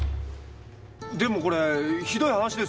でもこれひどい話ですよね。